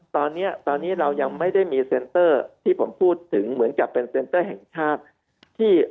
ตอนนี้ตอนนี้เรายังไม่ได้มีเซ็นเตอร์ที่ผมพูดถึงเหมือนกับเป็นเซ็นเตอร์แห่งชาติที่